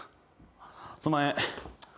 すんまへん。